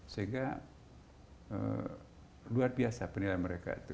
sehingga luar biasa penilaian mereka itu